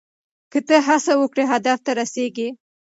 که ته هڅه وکړې هدف ته رسیږې.